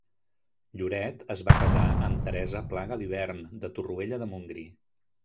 Lloret es va casar amb Teresa Pla Galibern de Torroella de Montgrí.